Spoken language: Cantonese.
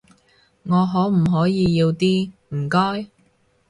我可唔可以要啲，唔該？